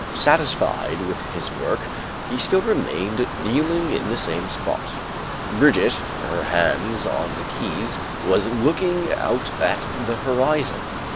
Satisfied with his work, he still remained kneeling in the same spot; Brigitte, her hands on the keys, was looking out at the horizon.